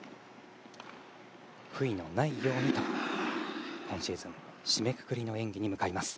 悔いのないようにと今シーズン締めくくりの演技に向かいます。